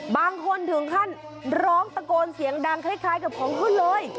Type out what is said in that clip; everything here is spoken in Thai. บางคนถึงขั้นร้องตะโกนเสียงดังคล้ายกับของขึ้นเลย